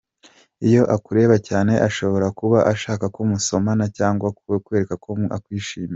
Iyo akureba cyane ashobora kuba ashaka ko musomana cyangwa se kukwereka ko akwishimiye.